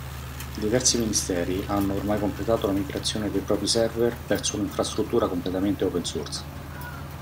Diversi Ministeri hanno ormai completato la migrazione dei propri server verso un'infrastruttura completamente open source.